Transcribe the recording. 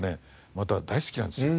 また大好きなんですよ。